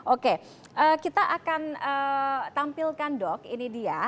oke kita akan tampilkan dok ini dia